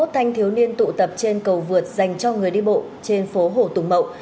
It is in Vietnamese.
hai mươi thanh thiếu niên tụ tập trên cầu vượt dành cho người đi bộ trên phố hồ tùng mậu